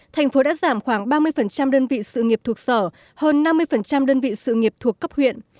thành phố đã giảm khoảng ba mươi đơn vị sự nghiệp thuộc sở hơn năm mươi đơn vị sự nghiệp thuộc cấp huyện